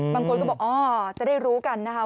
บางคนก็บอกอ๋อจะได้รู้กันนะคะ